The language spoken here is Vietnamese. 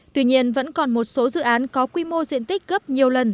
tuy nhiên vẫn còn một số dự án có quy mô diện tích gấp nhiều lần